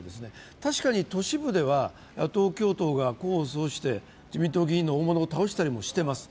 確かに都市部では野党共闘が功を奏して、自民党議員の大物を倒したりもしています。